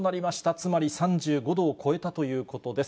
つまり３５度を超えたということです。